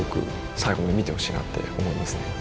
最後まで見てほしいなって思いますね。